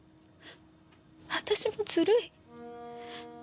私もずるい。